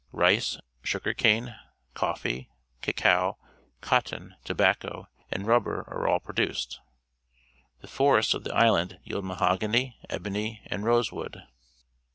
Rice, sugar cane, coffee, cacao, cotton, tobacco, and rubber are all pro duced. The forests of the island ^ield mahogany, ebony, and rosewood.